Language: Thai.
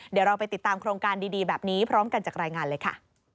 เดี๋ยวเราไปติดตามโครงการดีแบบนี้พร้อมกันจากรายงานเลยค่ะ